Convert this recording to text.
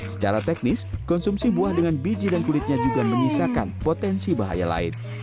secara teknis konsumsi buah dengan biji dan kulitnya juga menyisakan potensi bahaya lain